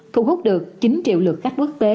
thu hút được chín triệu lượt các quốc tế